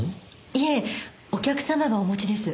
いえお客様がお持ちです。